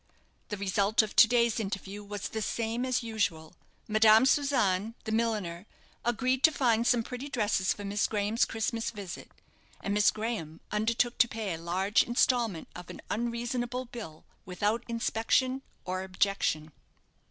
The result of to day's interview was the same as usual. Madame Susanne, the milliner, agreed to find some pretty dresses for Miss Graham's Christmas visit and Miss Graham undertook to pay a large instalment of an unreasonable bill without inspection or objection.